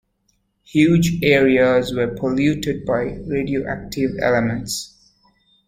Huge areas were polluted by radioactive elements.